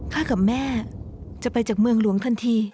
กับแม่จะไปจากเมืองหลวงทันที